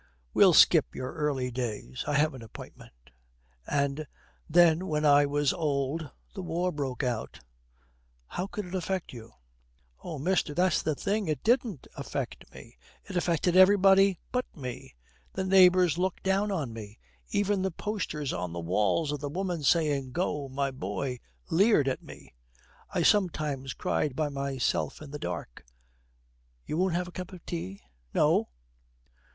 'We'll skip your early days. I have an appointment.' 'And then when I was old the war broke out.' 'How could it affect you?' 'Oh, mister, that's the thing. It didn't affect me. It affected everybody but me. The neighbours looked down on me. Even the posters, on the walls, of the woman saying, "Go, my boy," leered at me. I sometimes cried by myself in the dark. You won't have a cup of tea?' 'No.'